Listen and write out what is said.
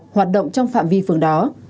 hoạt động trong phạm vi phường đó